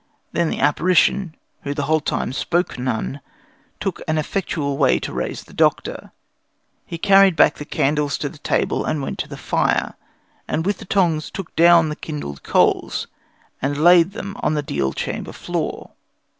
Then the apparition, who the whole time spoke none, took an effectual way to raise the doctor. He carried back the candles to the table and went to the fire, and with the tongs took down the kindled coals, and laid them on the deal chamber floor.